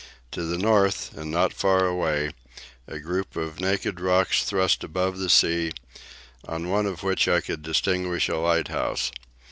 To the north, and not far away, a group of naked rocks thrust above the sea, on one of which I could distinguish a lighthouse.